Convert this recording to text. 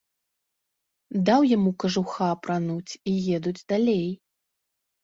Даў яму кажуха апрануць, і едуць далей.